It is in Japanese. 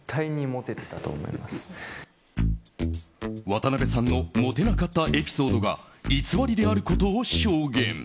渡邊さんのモテなかったエピソードが偽りであることを証言。